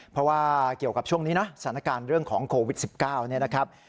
เพราะว่าเกี่ยวกับช่วงนี้นะสถานการณ์เรื่องของโควิด๑๙เนี่ยนะครับ